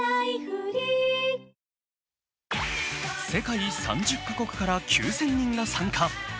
世界３０か国から９０００人が参加。